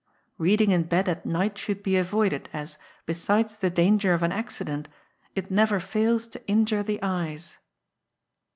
Reading in bed at night should be avoided, as, besides the danger of an accident, it never fails to injure the eyes.